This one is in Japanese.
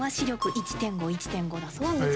１．５１．５だそうです。